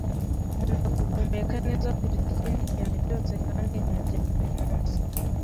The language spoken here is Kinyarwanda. Nkunda guhumeka neza kuruta ikindi kintu cyose, kandi nkarya buri munsi.